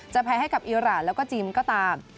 แพ้ให้กับอิราณแล้วก็จีนก็ตาม